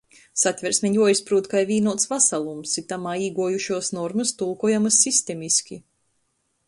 Satversme juoizprūt kai vīnuots vasalums, i tamā īguojušuos normys tulkojamys sistemiski.